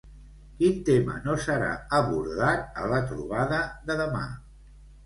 Quin tema no serà abordat a la trobada de demà?